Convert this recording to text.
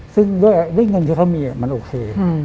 ซึ่งด้วยเงินที่เขามีมันโอเค